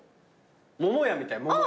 桃屋みたい。